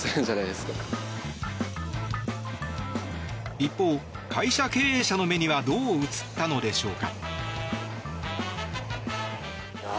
一方、会社経営者の目にはどう映ったのでしょうか。